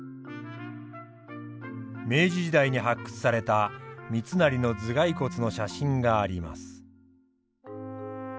明治時代に発掘された三成の頭蓋骨の写真があります。